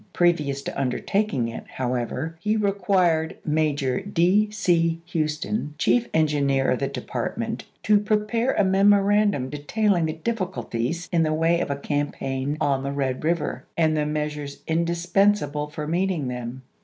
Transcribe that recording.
Previous to undertaking it, however, he required Major D. C. Houston, chief engineer of the department, to prepare a memorandum detail ing the difl&culties in the way of a campaign on the Red River, and the measures indispensable for meeting them.